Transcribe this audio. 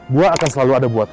gue akan selalu ada buat lo